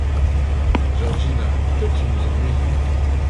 Georgina, que tu nous ennuies !